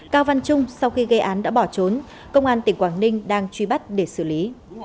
cao văn trung sau khi gây án đã bỏ trốn công an tỉnh quảng ninh đang truy bắt để xử lý